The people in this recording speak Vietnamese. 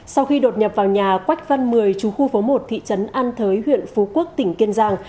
sau khi đột nhập vào nhà quách văn mười chú khu phố một thị trấn an thới huyện phú quốc tỉnh kiên giang